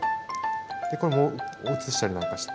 でこれを移したりなんかして。